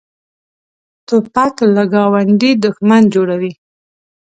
توپک له ګاونډي دښمن جوړوي.